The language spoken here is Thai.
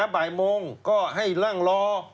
บ่ายโมงก็ให้นั่งรอ